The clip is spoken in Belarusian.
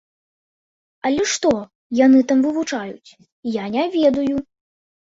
Але што яны там вывучаюць, я не ведаю.